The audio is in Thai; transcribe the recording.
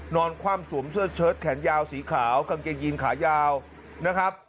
คว่ำสวมเสื้อเชิดแขนยาวสีขาวกางเกงยีนขายาวนะครับ